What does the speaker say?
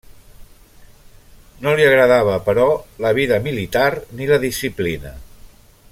No li agradava, però, la vida militar ni la disciplina.